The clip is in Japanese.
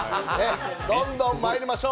どんどんまいりましょう。